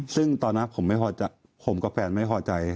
ซึ่งตอนนั้นผมกับแฟนไม่ง่อย